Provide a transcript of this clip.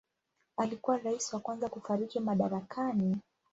Alikuwa rais wa kwanza kufariki madarakani.